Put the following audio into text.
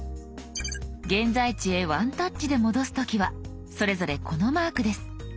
現在地へワンタッチで戻す時はそれぞれこのマークです。